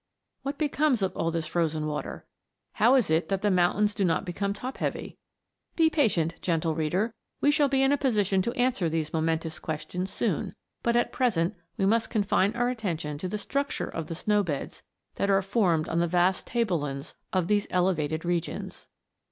What becomes of all this frozen water? How is it that the mountains do not become top heavy 1 Be patient, gentle reader, we shall be in a position to answer these momentous questions soon, but at present we must confine our attention to the structure of the snow beds that are formed on the vast tablelands of these elevated regions.